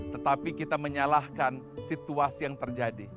tetapi kita menyalahkan situasi yang terjadi